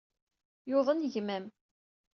Yuḍen gma-m.